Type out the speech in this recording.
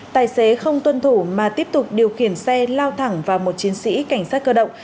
tài xế không tuân thủ mà tiếp tục điều khiển xe lao thẳng vào một chiến sĩ cảnh sát cơ động